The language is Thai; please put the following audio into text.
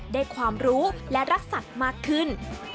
ได้ความรู้และรักสัตว์มากขึ้น